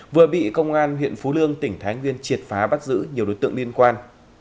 vừa bị công an huyện phú lương tỉnh thái nguyên triệt phá bắt giữ nhiều đối tượng liên quan